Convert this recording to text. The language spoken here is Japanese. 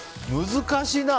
難しいな。